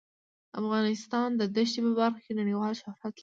افغانستان د دښتې په برخه کې نړیوال شهرت لري.